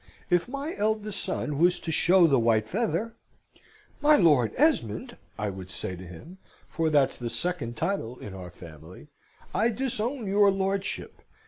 If my eldest son was to show the white feather, 'My Lord Esmond!' I would say to him (for that's the second title in our family), 'I disown your lordship!'"